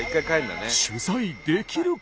取材できるか？